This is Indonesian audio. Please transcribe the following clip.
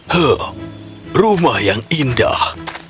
huh rumah yang indah